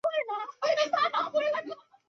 钝额岩瓷蟹为瓷蟹科岩瓷蟹属下的一个种。